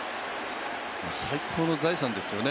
最高の財産ですよね